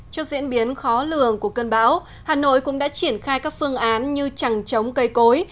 trước diễn biến khó lường của cơn bão hà nội cũng đã triển khai các phương án như chẳng chống cây cối